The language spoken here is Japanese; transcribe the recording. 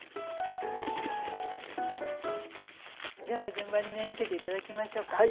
では順番にね見せて頂きましょうか。